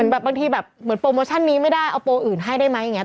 แบบบางทีแบบเหมือนโปรโมชั่นนี้ไม่ได้เอาโปรอื่นให้ได้ไหมอย่างนี้